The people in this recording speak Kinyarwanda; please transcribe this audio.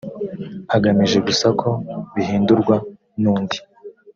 agamije gusa ko bihindurwa n undi